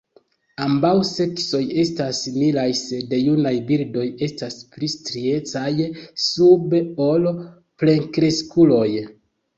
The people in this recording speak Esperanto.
Ambaŭ seksoj estas similaj, sed junaj birdoj estas pli striecaj sube ol plenkreskuloj.